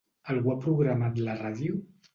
Algú ha programat la ràdio?